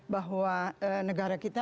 bahwa negara kita